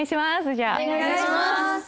じゃあお願いします